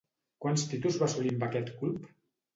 Quants títols va assolir amb aquest club?